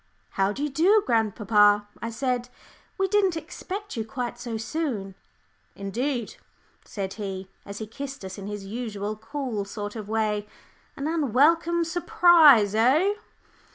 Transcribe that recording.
"How do you do, grandpapa?" I said. "We didn't expect you quite so soon." "Indeed," said he, as he kissed us in his usual cool sort of way, "an unwelcome surprise eh?"